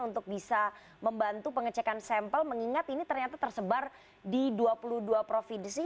untuk bisa membantu pengecekan sampel mengingat ini ternyata tersebar di dua puluh dua provinsi